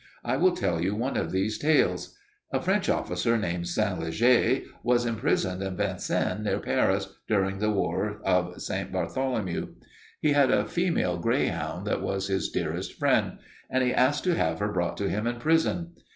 I will tell you one of these tales. A French officer named St. Leger was imprisoned in Vincennes, near Paris, during the wars of St. Bartholomew. He had a female greyhound that was his dearest friend and he asked to have her brought to him in prison.